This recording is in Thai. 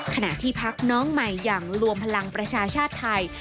ขณะที่พักน้องใหม่อย่างรวมพลังประชาชาติไทย